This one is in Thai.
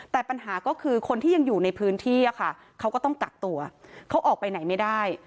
แต่ปัญหาก็คือคนที่ยังอยู่ในพื้นที่อะค่ะเขาก็ต้องกักตัวเขาออกไปไหนไม่ได้